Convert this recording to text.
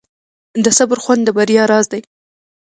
د صبر خوند د بریا راز دی.